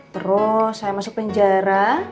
terus saya masuk penjara